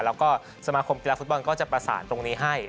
แล้วก็สมาคมกีฬาฟุตบอลก็จะประสานตรงนี้ให้